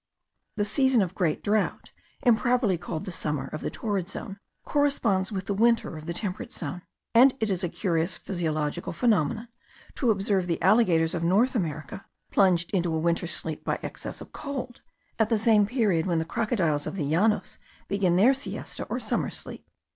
The season of great drought, improperly called the summer of the torrid zone, corresponds with the winter of the temperate zone; and it is a curious physiological phenomenon to observe the alligators of North America plunged into a winter sleep by excess of cold, at the same period when the crocodiles of the Llanos begin their siesta or summer sleep.